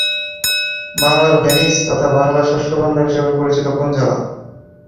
বাংলার ভেনিস তথা বাংলার শস্যভাণ্ডার হিসেবে পরিচিত কোন জেলা?